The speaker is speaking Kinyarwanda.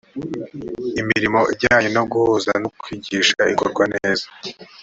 imirimo ijyanye no guhuza no kwigisha ikorwa neza